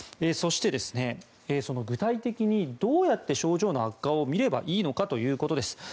そして、具体的にどうやって症状の悪化を見ればいいのかということです。